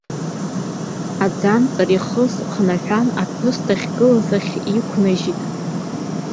Аӡымҵар ихыз хнаҳәан, аԥҳәыс дахьгылаз ахь иқәнажьит.